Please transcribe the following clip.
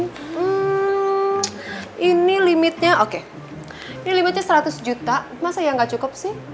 hmm ini limitnya oke ini limitnya seratus juta masa ya nggak cukup sih